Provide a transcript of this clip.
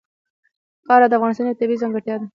خاوره د افغانستان یوه طبیعي ځانګړتیا ده.